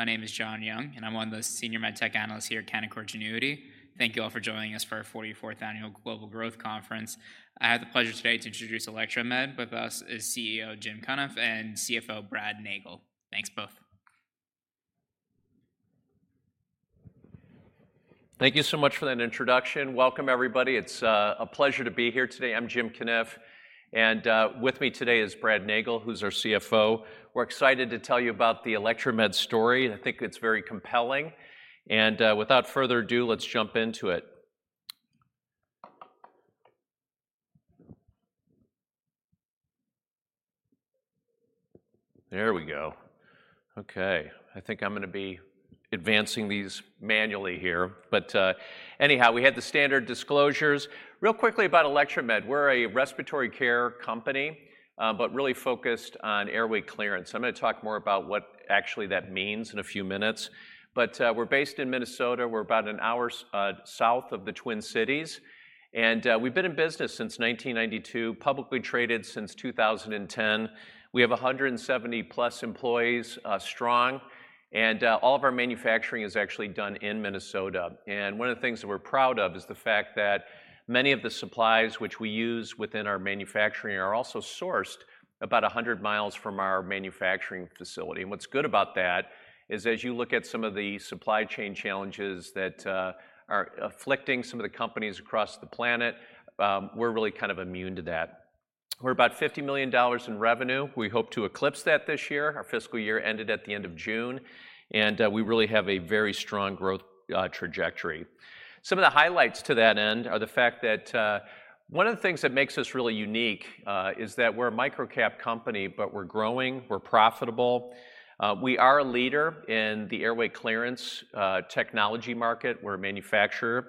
My name is John Young, and I'm one of the senior MedTech analysts here at Canaccord Genuity. Thank you all for joining us for our 44th Annual Global Growth Conference. I have the pleasure today to introduce Electromed. With us is CEO Jim Cunniff and CFO Brad Nagel. Thanks, both. Thank you so much for that introduction. Welcome, everybody. It's a pleasure to be here today. I'm Jim Cunniff, and with me today is Brad Nagel, who's our CFO. We're excited to tell you about the Electromed story, and I think it's very compelling, and without further ado, let's jump into it. There we go. Okay, I think I'm gonna be advancing these manually here, but anyhow, we have the standard disclosures. Real quickly about Electromed: we're a respiratory care company, but really focused on airway clearance. I'm gonna talk more about what actually that means in a few minutes, but we're based in Minnesota. We're about an hour south of the Twin Cities, and we've been in business since 1992, publicly traded since 2010. We have 170+ employees strong, and all of our manufacturing is actually done in Minnesota. One of the things that we're proud of is the fact that many of the supplies which we use within our manufacturing are also sourced about 100 mi from our manufacturing facility, and what's good about that is, as you look at some of the supply chain challenges that are afflicting some of the companies across the planet, we're really kind of immune to that. We're about $50 million in revenue. We hope to eclipse that this year. Our fiscal year ended at the end of June, and we really have a very strong growth trajectory. Some of the highlights to that end are the fact that... One of the things that makes us really unique is that we're a micro-cap company, but we're growing, we're profitable. We are a leader in the airway clearance technology market. We're a manufacturer.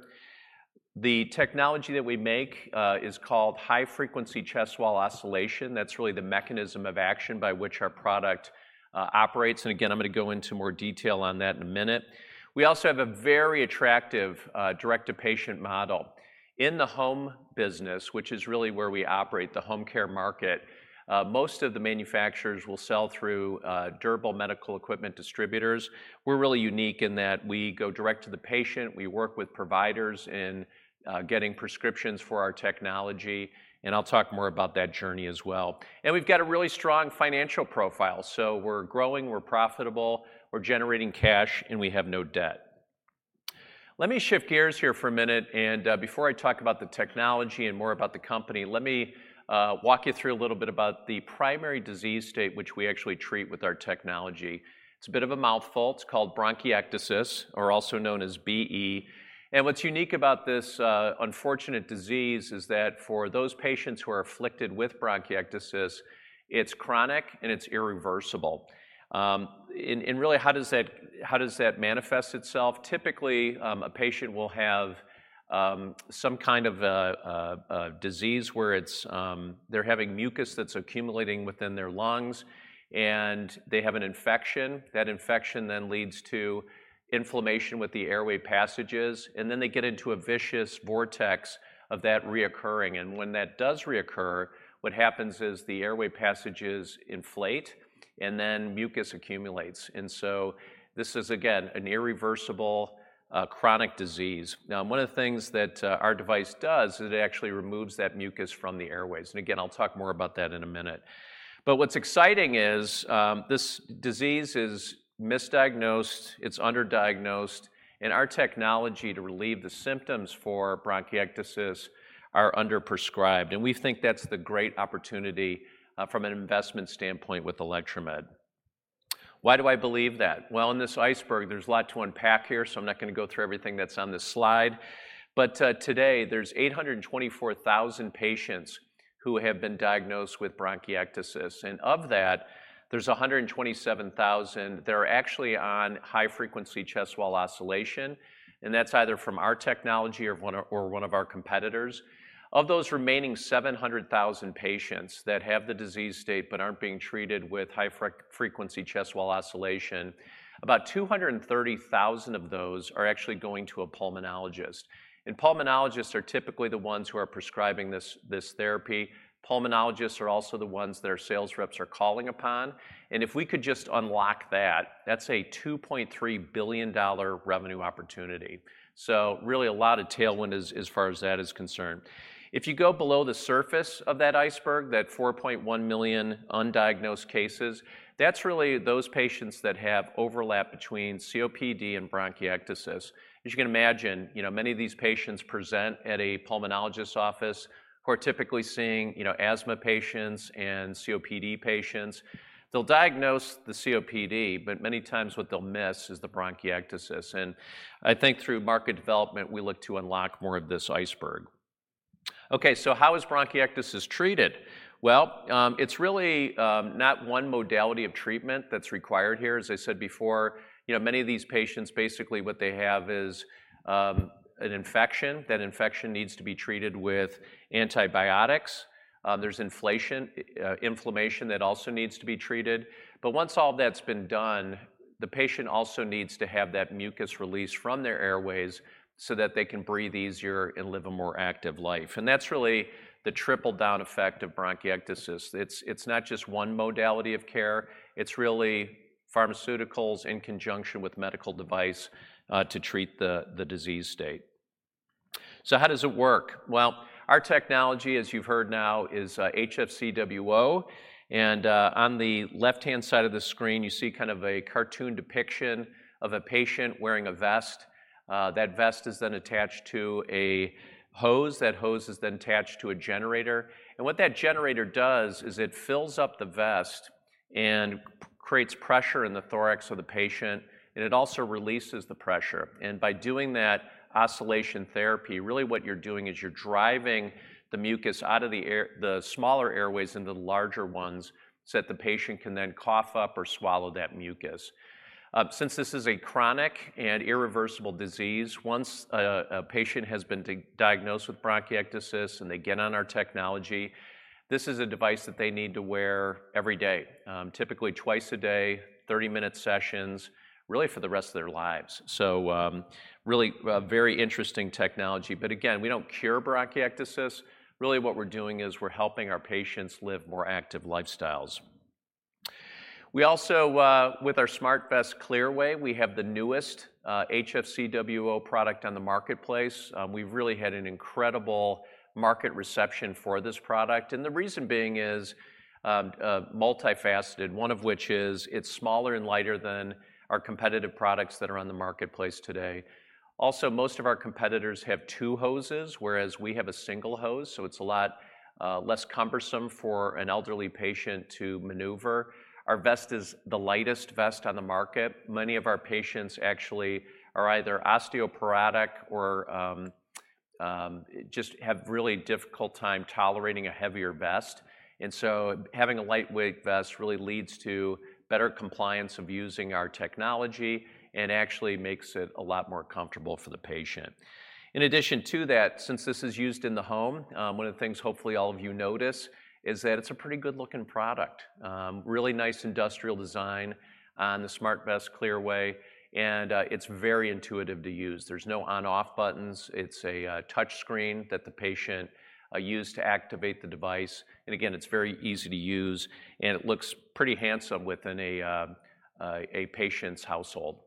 The technology that we make is called High Frequency Chest Wall Oscillation. That's really the mechanism of action by which our product operates, and again, I'm gonna go into more detail on that in a minute. We also have a very attractive direct-to-patient model. In the home business, which is really where we operate, the home care market, most of the manufacturers will sell through durable medical equipment distributors. We're really unique in that we go direct to the patient. We work with providers in getting prescriptions for our technology, and I'll talk more about that journey as well. We've got a really strong financial profile, so we're growing, we're profitable, we're generating cash, and we have no debt. Let me shift gears here for a minute, and before I talk about the technology and more about the company, let me walk you through a little bit about the primary disease state, which we actually treat with our technology. It's a bit of a mouthful. It's called bronchiectasis or also known as BE, and what's unique about this unfortunate disease is that for those patients who are afflicted with bronchiectasis, it's chronic, and it's irreversible. And really, how does that manifest itself? Typically, a patient will have some kind of a disease where it's they're having mucus that's accumulating within their lungs, and they have an infection. That infection then leads to inflammation with the airway passages, and then they get into a vicious vortex of that recurring, and when that does reoccur, what happens is the airway passages inflate, and then mucus accumulates, and so this is, again, an irreversible, chronic disease. Now, one of the things that our device does is it actually removes that mucus from the airways, and again, I'll talk more about that in a minute. But what's exciting is, this disease is misdiagnosed, it's underdiagnosed, and our technology to relieve the symptoms for bronchiectasis are underprescribed, and we think that's the great opportunity, from an investment standpoint with Electromed. Why do I believe that? Well, in this iceberg, there's a lot to unpack here, so I'm not gonna go through everything that's on this slide. But today there's 824,000 patients who have been diagnosed with bronchiectasis, and of that, there's 127,000 that are actually on High Frequency Chest Wall Oscillation, and that's either from our technology or one of our competitors. Of those remaining 700,000 patients that have the disease state but aren't being treated with High Frequency Chest Wall Oscillation, about 230,000 of those are actually going to a pulmonologist, and pulmonologists are typically the ones who are prescribing this therapy. Pulmonologists are also the ones that our sales reps are calling upon, and if we could just unlock that, that's a $2.3 billion revenue opportunity, so really a lot of tailwind as far as that is concerned. If you go below the surface of that iceberg, that 4.1 million undiagnosed cases, that's really those patients that have overlap between COPD and bronchiectasis. As you can imagine, you know, many of these patients present at a pulmonologist's office who are typically seeing, you know, asthma patients and COPD patients. They'll diagnose the COPD, but many times what they'll miss is the bronchiectasis, and I think through market development, we look to unlock more of this iceberg. Okay, so how is bronchiectasis treated? Well, it's really not one modality of treatment that's required here. As I said before, you know, many of these patients, basically what they have is an infection. That infection needs to be treated with antibiotics. There's inflammation that also needs to be treated, but once all that's been done, the patient also needs to have that mucus released from their airways so that they can breathe easier and live a more active life, and that's really the triple-down effect of bronchiectasis. It's not just one modality of care. It's really pharmaceuticals in conjunction with medical device to treat the disease state. So how does it work? Well, our technology, as you've heard now, is HFCWO, and on the left-hand side of the screen, you see kind of a cartoon depiction of a patient wearing a vest. That vest is then attached to a hose. That hose is then attached to a generator, and what that generator does is it fills up the vest and creates pressure in the thorax of the patient, and it also releases the pressure. And by doing that oscillation therapy, really what you're doing is you're driving the mucus out of the smaller airways into the larger ones, so that the patient can then cough up or swallow that mucus. Since this is a chronic and irreversible disease, once a patient has been diagnosed with bronchiectasis and they get on our technology, this is a device that they need to wear every day, typically twice a day, 30-minute sessions, really for the rest of their lives. So, really, a very interesting technology. But again, we don't cure bronchiectasis. Really, what we're doing is we're helping our patients live more active lifestyles. We also, with our SmartVest Clearway, we have the newest, HFCWO product on the marketplace. We've really had an incredible market reception for this product, and the reason being is, multifaceted, one of which is it's smaller and lighter than our competitive products that are on the marketplace today. Also, most of our competitors have two hoses, whereas we have a single hose, so it's a lot, less cumbersome for an elderly patient to maneuver. Our vest is the lightest vest on the market. Many of our patients actually are either osteoporotic or, just have really difficult time tolerating a heavier vest, and so having a lightweight vest really leads to better compliance of using our technology and actually makes it a lot more comfortable for the patient. In addition to that, since this is used in the home, one of the things hopefully all of you notice is that it's a pretty good-looking product. Really nice industrial design on the SmartVest Clearway, and it's very intuitive to use. There's no on/off buttons. It's a touch screen that the patient use to activate the device, and again, it's very easy to use, and it looks pretty handsome within a patient's household.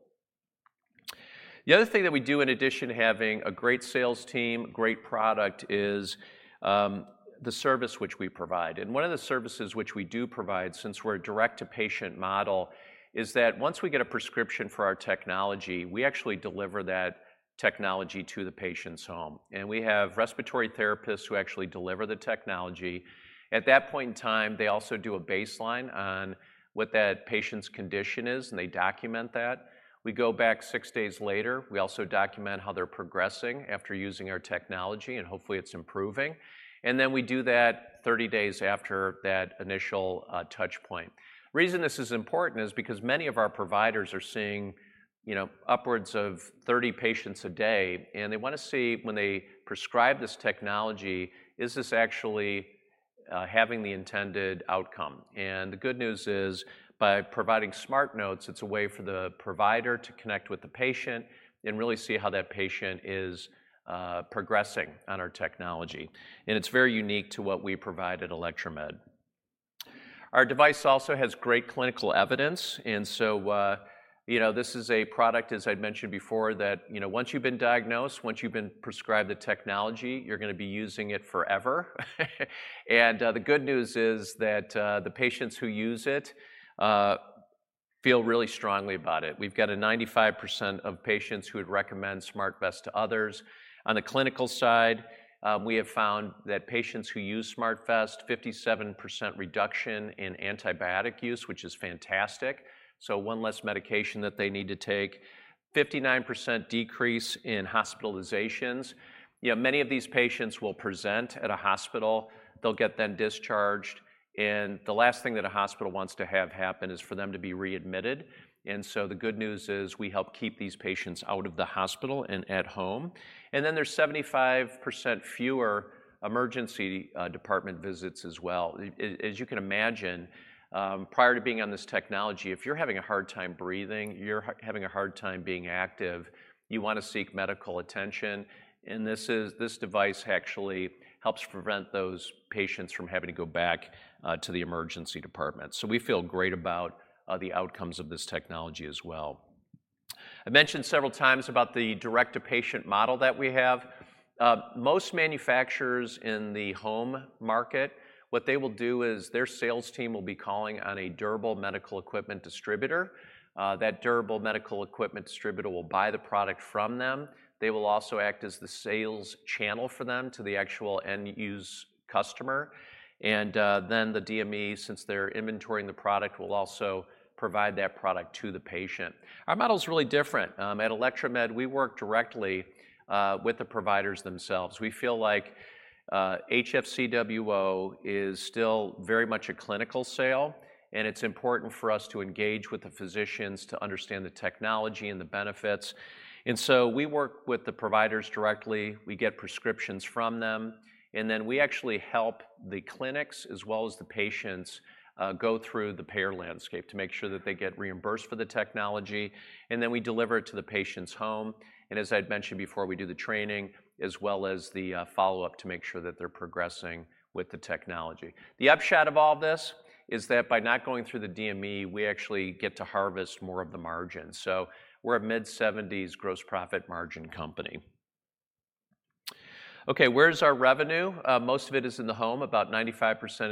The other thing that we do in addition to having a great sales team, great product, is the service which we provide, and one of the services which we do provide, since we're a direct-to-patient model, is that once we get a prescription for our technology, we actually deliver that technology to the patient's home, and we have respiratory therapists who actually deliver the technology. At that point in time, they also do a baseline on what that patient's condition is, and they document that. We go back 6 days later. We also document how they're progressing after using our technology, and hopefully it's improving, and then we do that 30 days after that initial touch point. Reason this is important is because many of our providers are seeing, you know, upwards of 30 patients a day, and they wanna see when they prescribe this technology, is this actually having the intended outcome? And the good news is, by providing SmartNotes, it's a way for the provider to connect with the patient and really see how that patient is progressing on our technology, and it's very unique to what we provide at Electromed. Our device also has great clinical evidence, and so, you know, this is a product, as I'd mentioned before, that, you know, once you've been diagnosed, once you've been prescribed the technology, you're gonna be using it forever. And, the good news is that, the patients who use it, feel really strongly about it. We've got a 95% of patients who would recommend SmartVest to others. On the clinical side, we have found that patients who use SmartVest, 57% reduction in antibiotic use, which is fantastic, so one less medication that they need to take. 59% decrease in hospitalizations. You know, many of these patients will present at a hospital. They'll get then discharged, and the last thing that a hospital wants to have happen is for them to be readmitted, and so the good news is we help keep these patients out of the hospital and at home. And then there's 75% fewer emergency department visits as well. As you can imagine, prior to being on this technology, if you're having a hard time breathing, you're having a hard time being active, you wanna seek medical attention, and this is. This device actually helps prevent those patients from having to go back to the emergency department. So we feel great about the outcomes of this technology as well. I mentioned several times about the direct-to-patient model that we have. Most manufacturers in the home market, what they will do is their sales team will be calling on a durable medical equipment distributor. That durable medical equipment distributor will buy the product from them. They will also act as the sales channel for them to the actual end-use customer, and then the DME, since they're inventorying the product, will also provide that product to the patient. Our model is really different. At Electromed, we work directly with the providers themselves. We feel like HFCWO is still very much a clinical sale, and it's important for us to engage with the physicians to understand the technology and the benefits. And so we work with the providers directly. We get prescriptions from them, and then we actually help the clinics as well as the patients go through the payer landscape to make sure that they get reimbursed for the technology, and then we deliver it to the patient's home. And as I'd mentioned before, we do the training as well as the follow-up to make sure that they're progressing with the technology. The upshot of all this is that by not going through the DME, we actually get to harvest more of the margin, so we're a mid-70s gross profit margin company. Okay, where's our revenue? Most of it is in the home. About 95%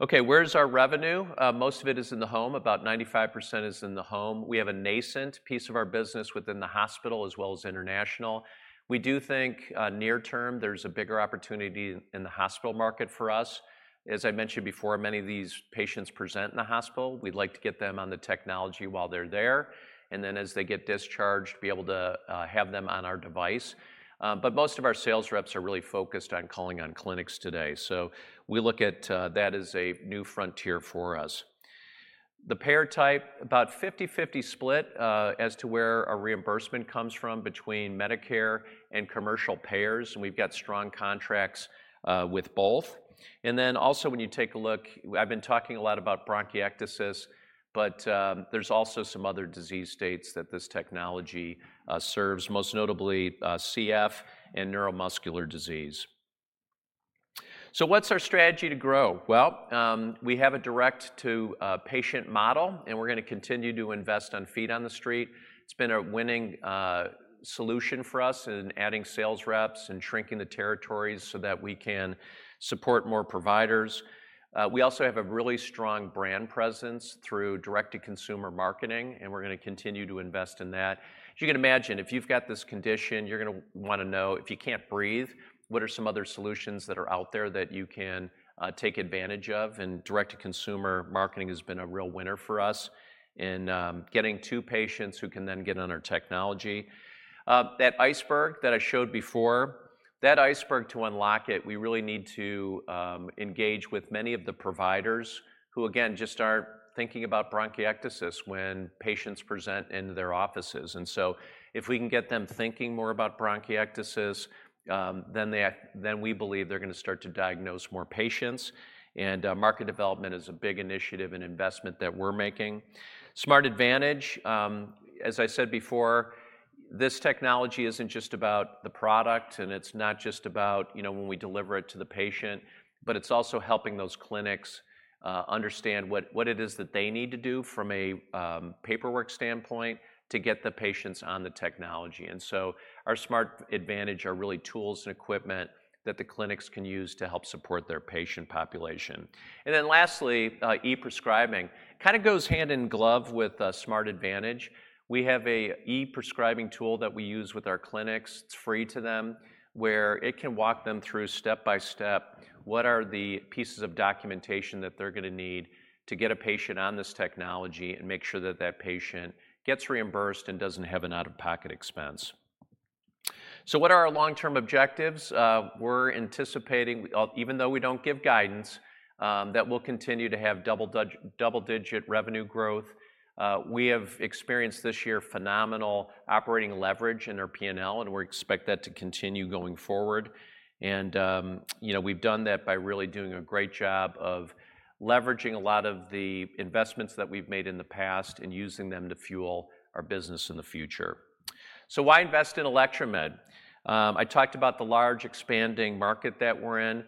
is in the home. We have a nascent piece of our business within the hospital, as well as international. We do think near term, there's a bigger opportunity in the hospital market for us. As I mentioned before, many of these patients present in the hospital. We'd like to get them on the technology while they're there, and then as they get discharged, be able to have them on our device. But most of our sales reps are really focused on calling on clinics today, so we look at that as a new frontier for us. The payer type, about 50/50 split as to where our reimbursement comes from between Medicare and commercial payers, and we've got strong contracts with both. And then also when you take a look, I've been talking a lot about bronchiectasis, but there's also some other disease states that this technology serves, most notably CF and neuromuscular disease. So what's our strategy to grow? Well, we have a direct-to-patient model, and we're gonna continue to invest on feet on the street. It's been a winning solution for us in adding sales reps and shrinking the territories so that we can support more providers. We also have a really strong brand presence through direct-to-consumer marketing, and we're gonna continue to invest in that. As you can imagine, if you've got this condition, you're gonna wanna know, if you can't breathe, what are some other solutions that are out there that you can take advantage of? And direct-to-consumer marketing has been a real winner for us in getting to patients who can then get on our technology. That iceberg that I showed before, that iceberg, to unlock it, we really need to engage with many of the providers who, again, just aren't thinking about bronchiectasis when patients present into their offices. And so if we can get them thinking more about bronchiectasis, then we believe they're gonna start to diagnose more patients, and market development is a big initiative and investment that we're making. SmartAdvantage, as I said before, this technology isn't just about the product, and it's not just about, you know, when we deliver it to the patient, but it's also helping those clinics understand what it is that they need to do from a paperwork standpoint to get the patients on the technology. So our SmartAdvantage are really tools and equipment that the clinics can use to help support their patient population. And then lastly, e-prescribing. Kind of goes hand in glove with SmartAdvantage. We have a e-prescribing tool that we use with our clinics, it's free to them, where it can walk them through step by step, what are the pieces of documentation that they're gonna need to get a patient on this technology and make sure that that patient gets reimbursed and doesn't have an out-of-pocket expense. So what are our long-term objectives? We're anticipating, even though we don't give guidance, that we'll continue to have double-digit revenue growth. We have experienced this year phenomenal operating leverage in our PNL, and we expect that to continue going forward. You know, we've done that by really doing a great job of leveraging a lot of the investments that we've made in the past and using them to fuel our business in the future. So why invest in Electromed? I talked about the large, expanding market that we're in.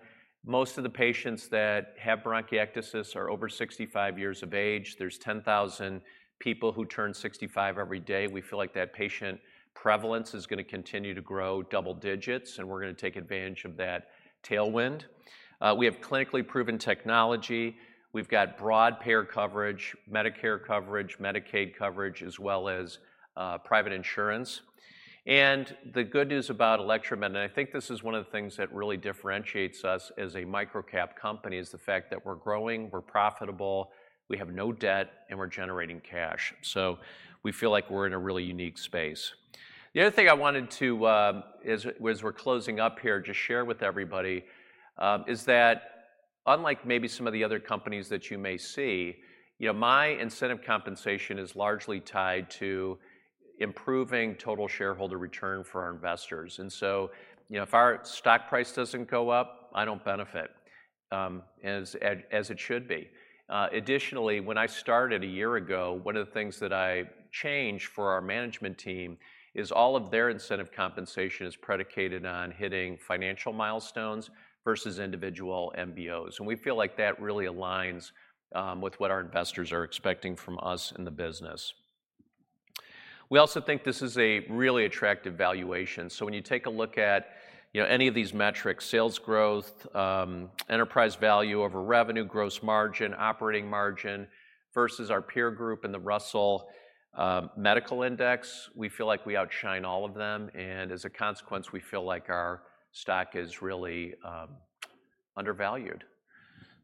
Most of the patients that have bronchiectasis are over 65 years of age. There's 10,000 people who turn 65 every day. We feel like that patient prevalence is gonna continue to grow double digits, and we're gonna take advantage of that tailwind. We have clinically proven technology. We've got broad payer coverage, Medicare coverage, Medicaid coverage, as well as private insurance. The good news about Electromed, and I think this is one of the things that really differentiates us as a micro-cap company, is the fact that we're growing, we're profitable, we have no debt, and we're generating cash. We feel like we're in a really unique space. The other thing I wanted to, as we're closing up here, just share with everybody, is that unlike maybe some of the other companies that you may see, you know, my incentive compensation is largely tied to improving total shareholder return for our investors. And so, you know, if our stock price doesn't go up, I don't benefit, as it should be. Additionally, when I started a year ago, one of the things that I changed for our management team is all of their incentive compensation is predicated on hitting financial milestones versus individual MBOs, and we feel like that really aligns with what our investors are expecting from us in the business. We also think this is a really attractive valuation. So when you take a look at, you know, any of these metrics, sales growth, enterprise value over revenue, gross margin, operating margin versus our peer group in the Russell Microcap Index, we feel like we outshine all of them, and as a consequence, we feel like our stock is really undervalued.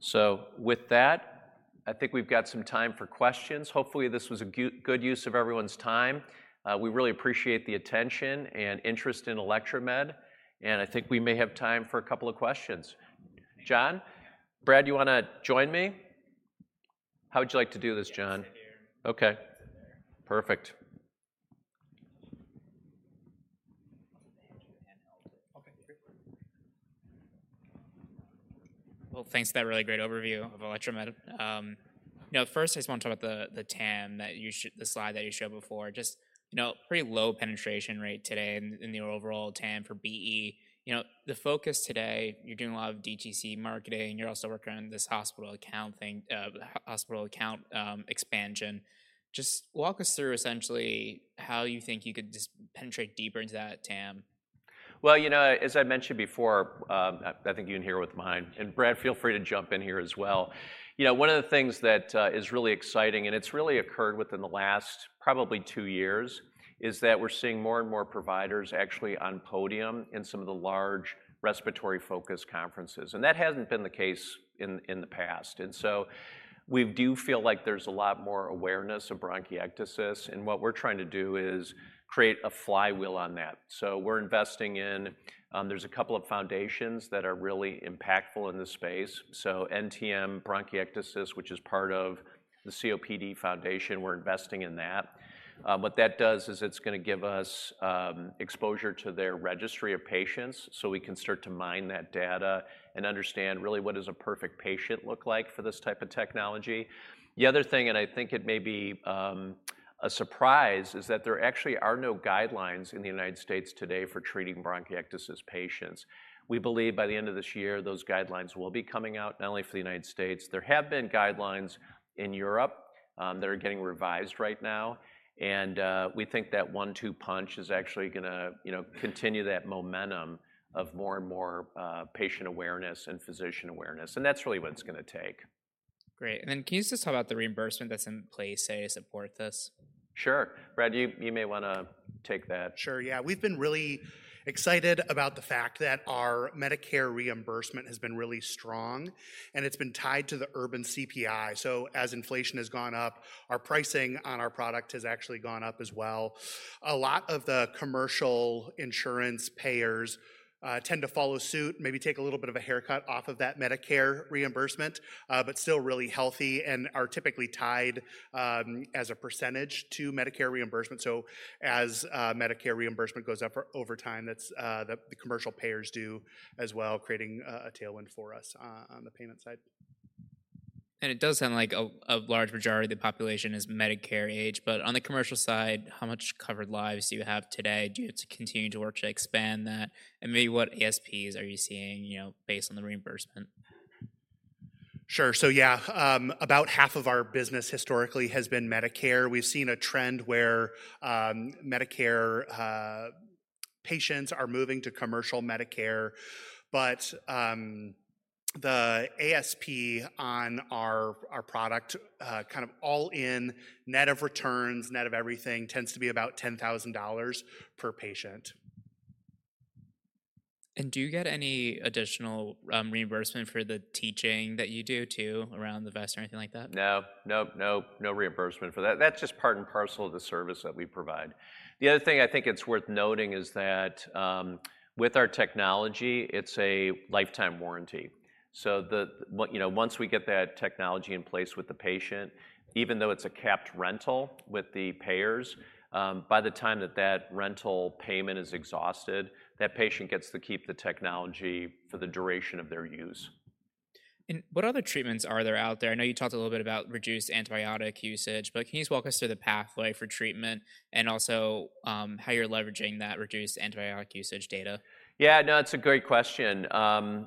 So with that, I think we've got some time for questions. Hopefully, this was a good use of everyone's time. We really appreciate the attention and interest in Electromed, and I think we may have time for a couple of questions. John? Brad, you wanna join me? How would you like to do this, John? Yeah, sit here. Okay. Sit there. Perfect. Okay, great. Well, thanks for that really great overview of Electromed. You know, first, I just want to talk about the TAM, the slide that you showed before. Just, you know, pretty low penetration rate today in your overall TAM for BE. You know, the focus today, you're doing a lot of DTC marketing, and you're also working on this hospital account thing, hospital account expansion. Just walk us through essentially how you think you could just penetrate deeper into that TAM? .Well, you know, as I mentioned before, I, I think you can hear with mine, and Brad, feel free to jump in here as well. You know, one of the things that is really exciting, and it's really occurred within the last probably two years, is that we're seeing more and more providers actually on podium in some of the large respiratory-focused conferences, and that hasn't been the case in the past. And so we do feel like there's a lot more awareness of bronchiectasis, and what we're trying to do is create a flywheel on that. So we're investing in, there's a couple of foundations that are really impactful in this space. So NTM bronchiectasis, which is part of the COPD Foundation, we're investing in that. What that does is it's gonna give us exposure to their registry of patients, so we can start to mine that data and understand really what does a perfect patient look like for this type of technology. The other thing, and I think it may be a surprise, is that there actually are no guidelines in the United States today for treating bronchiectasis patients. We believe by the end of this year, those guidelines will be coming out, not only for the United States. There have been guidelines in Europe that are getting revised right now, and we think that one-two punch is actually gonna, you know, continue that momentum of more and more patient awareness and physician awareness, and that's really what it's gonna take. Great, and then can you just talk about the reimbursement that's in place, say, to support this? Sure. Brad, you may wanna take that. Sure, yeah. We've been really excited about the fact that our Medicare reimbursement has been really strong, and it's been tied to the Urban CPI. So as inflation has gone up, our pricing on our product has actually gone up as well. A lot of the commercial insurance payers tend to follow suit, maybe take a little bit of a haircut off of that Medicare reimbursement, but still really healthy and are typically tied as a percentage to Medicare reimbursement. So as Medicare reimbursement goes up over time, that's the commercial payers do as well, creating a tailwind for us on the payment side. It does sound like a large majority of the population is Medicare age, but on the commercial side, how much covered lives do you have today? Do you have to continue to work to expand that, and maybe what ASPs are you seeing, you know, based on the reimbursement? Sure. So yeah, about half of our business historically has been Medicare. We've seen a trend where Medicare patients are moving to commercial Medicare, but the ASP on our, our product kind of all in, net of returns, net of everything, tends to be about $10,000 per patient. Do you get any additional reimbursement for the teaching that you do, too, around the vest or anything like that? No. Nope, no, no reimbursement for that. That's just part and parcel of the service that we provide. The other thing I think it's worth noting is that, with our technology, it's a lifetime warranty. So, you know, once we get that technology in place with the patient, even though it's a capped rental with the payers, by the time that that rental payment is exhausted, that patient gets to keep the technology for the duration of their use. What other treatments are there out there? I know you talked a little bit about reduced antibiotic usage, but can you just walk us through the pathway for treatment and also, how you're leveraging that reduced antibiotic usage data? Yeah, no, it's a great question. You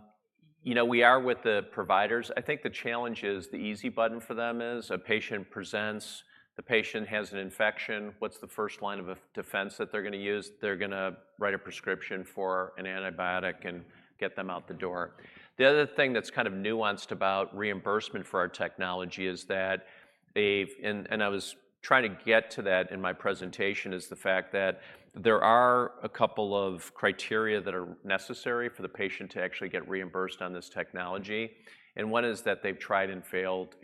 know, we are with the providers. I think the challenge is the easy button for them is a patient presents, the patient has an infection. What's the first line of defense that they're gonna use? They're gonna write a prescription for an antibiotic and get them out the door. The other thing that's kind of nuanced about reimbursement for our technology is that they've and I was trying to get to that in my presentation, is the fact that there are a couple of criteria that are necessary for the patient to actually get reimbursed on this technology, and one is that they've tried and failed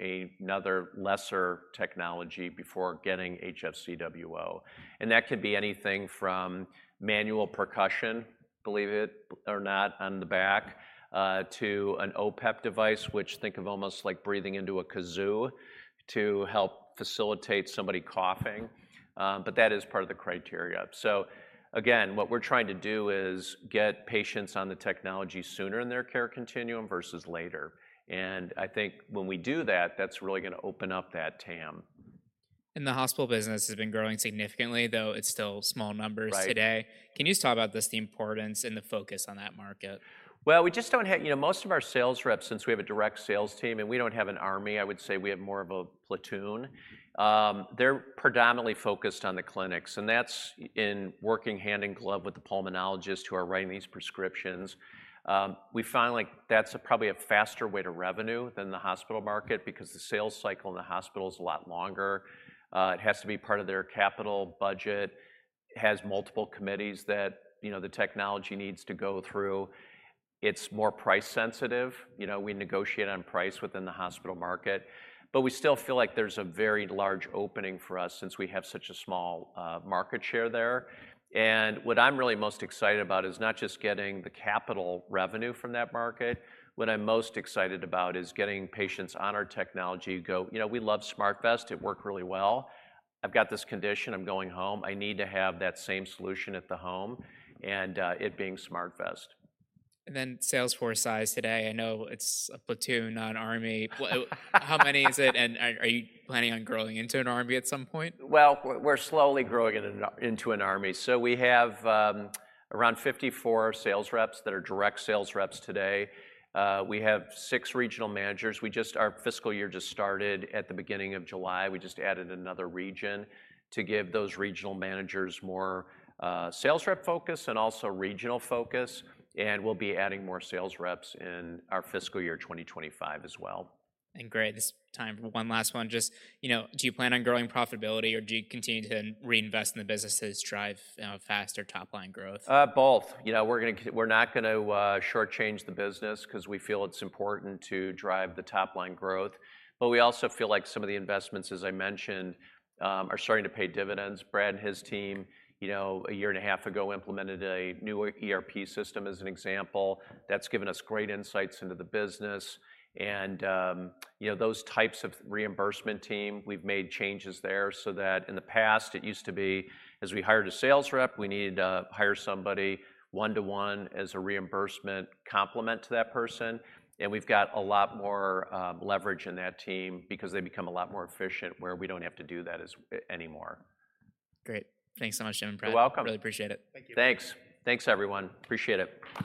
another lesser technology before getting HFCWO. That could be anything from manual percussion, believe it or not, on the back, to an OPEP device, which think of almost like breathing into a kazoo to help facilitate somebody coughing, but that is part of the criteria. Again, what we're trying to do is get patients on the technology sooner in their care continuum versus later, and I think when we do that, that's really gonna open up that TAM. The hospital business has been growing significantly, though it's still small numbers- Right... today. Can you just talk about just the importance and the focus on that market? Well, we just don't have, you know, most of our sales reps, since we have a direct sales team and we don't have an army, I would say we have more of a platoon, they're predominantly focused on the clinics, and that's in working hand in glove with the pulmonologists who are writing these prescriptions. We find, like, that's probably a faster way to revenue than the hospital market because the sales cycle in the hospital is a lot longer. It has to be part of their capital budget, has multiple committees that, you know, the technology needs to go through. It's more price sensitive. You know, we negotiate on price within the hospital market. But we still feel like there's a very large opening for us since we have such a small market share there. What I'm really most excited about is not just getting the capital revenue from that market. What I'm most excited about is getting patients on our technology go: "You know, we love SmartVest. It worked really well. I've got this condition. I'm going home. I need to have that same solution at the home," and it being SmartVest. Then sales force size today, I know it's a platoon, not an army. How many is it, and are you planning on growing into an army at some point? Well, we're slowly growing it into an army. So we have around 54 sales reps that are direct sales reps today. We have six regional managers. Our fiscal year just started at the beginning of July. We just added another region to give those regional managers more sales rep focus and also regional focus, and we'll be adding more sales reps in our fiscal year 2025 as well. Great. This time for one last one, just, you know, do you plan on growing profitability, or do you continue to reinvest in the business to drive faster top line growth? Both. You know, we're not gonna shortchange the business 'cause we feel it's important to drive the top line growth. But we also feel like some of the investments, as I mentioned, are starting to pay dividends. Brad and his team, you know, a year and a half ago implemented a new ERP system as an example. That's given us great insights into the business and, you know, those types of reimbursement team, we've made changes there so that in the past, it used to be, as we hired a sales rep, we needed to hire somebody one-to-one as a reimbursement complement to that person. And we've got a lot more leverage in that team because they've become a lot more efficient, where we don't have to do that anymore. Great. Thanks so much, Jim and Brad. You're welcome. Really appreciate it. Thank you. Thanks. Thanks, everyone. Appreciate it.